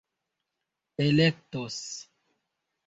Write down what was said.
elektos